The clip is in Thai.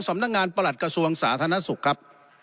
ประหลัดกระทรวงสาธารณสุขครับ